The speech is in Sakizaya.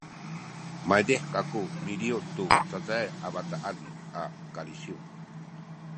maydih kaku miliyun tu cacayay a bataan a kalisiw